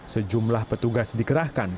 sejumlah petugas dikerahkan